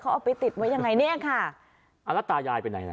เอาไปติดไว้ยังไงเนี่ยค่ะอ่าแล้วตายายไปไหนล่ะ